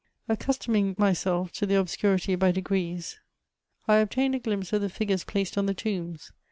Accustoming myself to the obscurity by degrees, I obtained a glimpse of the figures placed on the tombs.